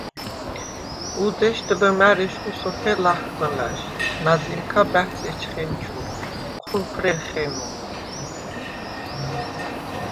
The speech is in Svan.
უდეშდ ლჷმა̈რ ეშხუ სოფელ ლახმჷლა̈შ ნაზიმქა ბაჴს ეჩხენჩუ, ჴუმფრერხენუ.